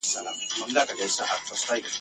یا مي مړ له دې غوجل څخه بهر کړې ..